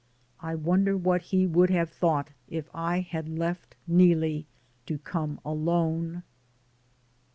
I wonder what he would have thought if I had left Neelie to come alone